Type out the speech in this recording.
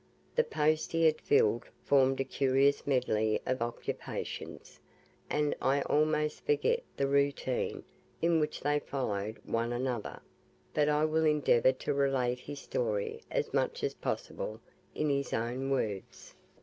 The posts he had filled formed a curious medley of occupations, and I almost forget the routine in which they followed one another, but I will endeavour to relate his story as much as possible in his own words.